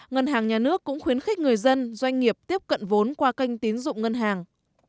ngân hàng nhà nước cũng khuyến khích người dân doanh nghiệp tiếp cận vốn qua kênh tín dụng ngân hàng